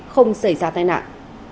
không xảy ra tai nạn